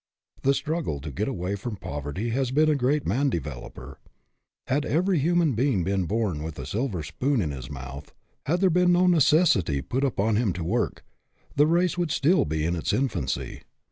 The struggle to get away from poverty has been a great man developer. Had every hu man being been born with a silver spoon in his mouth had there been no necessity put upon him to work the race would still be in its infancy.